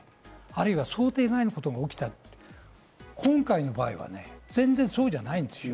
あるいは想定外のことが起きたと今回の場合は全然そうじゃないんですよ。